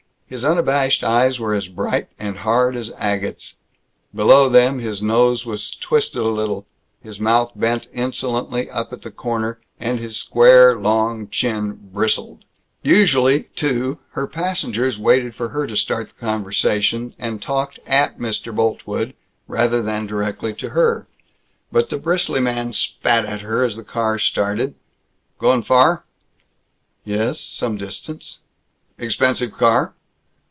His unabashed eyes were as bright and hard as agates. Below them, his nose was twisted a little, his mouth bent insolently up at one corner, and his square long chin bristled. Usually, too, her passengers waited for her to start the conversation, and talked at Mr. Boltwood rather than directly to her. But the bristly man spat at her as the car started, "Going far?" "Ye es, some distance." "Expensive car?"